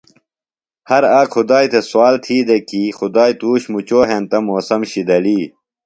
ہر آک خُدائی تھےۡ سوال تھی دےۡ کی خُدائی تُوش مُچو ہینتہ موسم شِدلیۡ۔